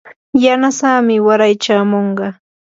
yanasamii waray chamunqa.